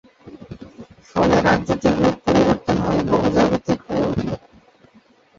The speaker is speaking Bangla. ফলে রাজ্যটির রূপ পরিবর্তন হয়ে বহুজাতিক হয়ে উঠে।